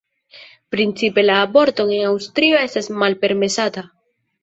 Principe la aborto en Aŭstrio estas malpermesata.